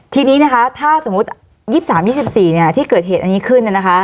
ทีนี้นะคะถ้าสมมติ๒๓๒๔เนี่ยที่เกิดเหตุอันนี้ขึ้นเนี่ยนะคะ